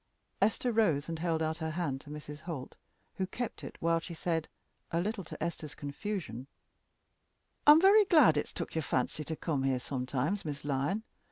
Esther rose and held out her hand to Mrs. Holt, who kept it while she said, a little to Esther's confusion "I'm very glad it's took your fancy to come here sometimes, Miss Lyon.